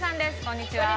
こんにちは。